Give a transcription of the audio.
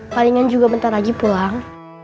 palingan juga bentar lagi pulang